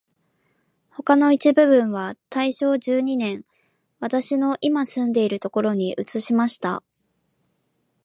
他の一部分は大正十二年、私のいま住んでいるところに移しました